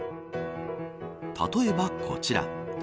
例えばこちら。